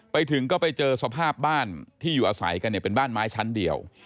ไปถึงก็ไปเจอสภาพบ้านที่อยู่อาศัยกันเนี่ยเป็นบ้านไม้ชั้นเดียว